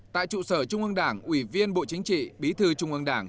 tại trụ sở trung ương đảng ủy viên bộ chính trị bí thư trung ương đảng